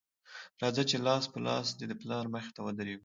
راځه چې لاس په لاس دې د پلار مخې ته ودرېږو